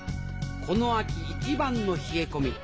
この秋一番の冷え込み。